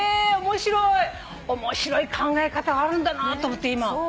面白い考え方あるんだなと思って。